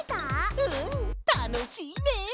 うんたのしいね！